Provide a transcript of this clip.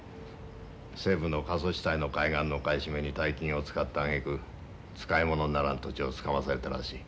西部の過疎地帯の海岸の買い占めに大金を使ったあげく使い物にならん土地をつかまされたらしい。